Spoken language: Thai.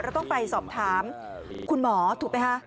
เราต้องไปสอบถามคุณหมอถูกไหมคะ